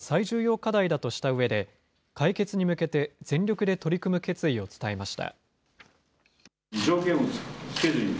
拉致問題は最重要課題だとしたうえで、解決に向けて全力で取り組む決意を伝えました。